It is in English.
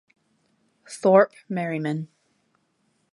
Thorpe Merriman.